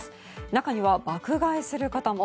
中には爆買いする方も。